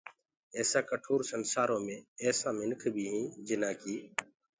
ايسآ ڪٺور سنسآرو ايسآ مِنک بي هيٚنٚ جنآ ڪي